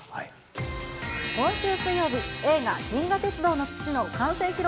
今週水曜日、映画、銀河鉄道の父の完成披露